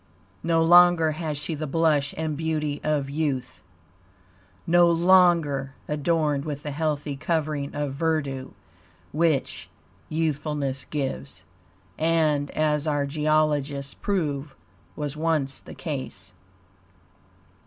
No longer has she the blush and beauty of youth, no longer adorned with the healthy covering of verdue which youthfulness gives, and as our geologists prove was once the case.